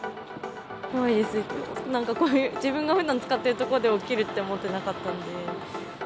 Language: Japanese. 怖いです、自分がふだん使ってる所で起きるって思ってなかったんで。